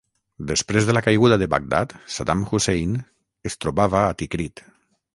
Després de la caiguda de Baghdad, Saddam Hussein es trobava a Tikrit.